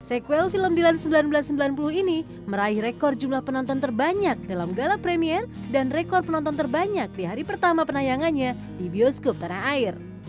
sequel film dilan seribu sembilan ratus sembilan puluh ini meraih rekor jumlah penonton terbanyak dalam gala premier dan rekor penonton terbanyak di hari pertama penayangannya di bioskop tanah air